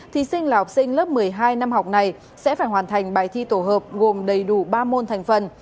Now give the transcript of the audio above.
thí sinh là học sinh lớp một mươi hai năm học này sẽ phải hoàn thành bài thi tổ hợp gồm đầy đủ ba môn thành phần